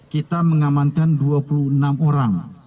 kita mengamankan dua puluh enam orang